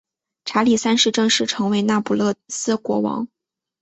查理三世正式成为那不勒斯国王。